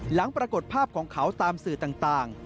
ปรากฏภาพของเขาตามสื่อต่าง